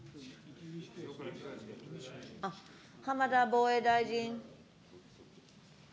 浜田防衛大臣。